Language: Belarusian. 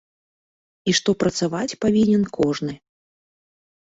І што працаваць павінен кожны.